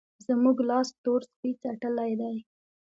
زموږ لاس تور سپی څټلی دی.